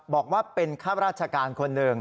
บอกว่าเป็นข้าราชการคนหนึ่ง